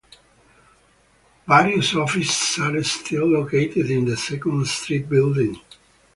Various offices are still located in the Second Street building.